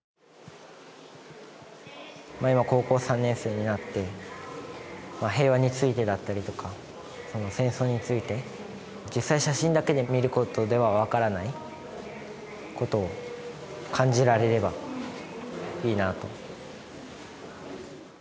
今、高校３年生になって、平和についてだったりとか、戦争について、実際写真だけで見ることでは分からないことを感じられればいいなと。